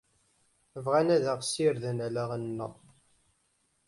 Bɣan ad aɣ-ssirden allaɣen-nneɣ.